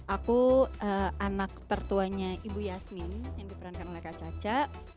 aku anak tertuanya ibu yasmin yang diperankan oleh kak caca